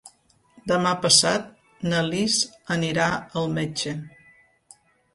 Demà passat na Lis anirà al metge.